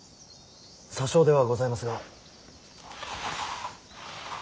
些少ではございますが。